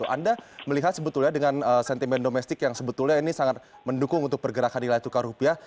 anda melihat dengan sentimen domestik yang sangat mendukung untuk pergerakan nilai tukar rupiah